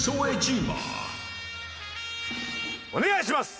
お願いします！